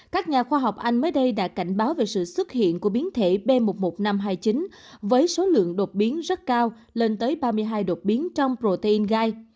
các nhà khoa học anh mới đây đã cảnh báo về sự xuất hiện của biến thể b một mươi một nghìn năm trăm hai mươi chín với số lượng đột biến rất cao lên tới ba mươi hai đột biến trong protein gai